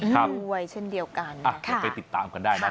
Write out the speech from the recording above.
ครับดูไว้เช่นเดียวกันอ่ะเดี๋ยวไปติดตามกันได้นะ